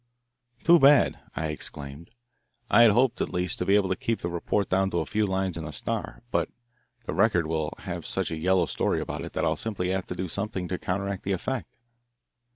"Too bad," I exclaimed. "I had hoped, at least, to be able to keep the report down to a few lines in the Star. But the Record will have such a yellow story about it that I'll simply have to do something to counteract the effect."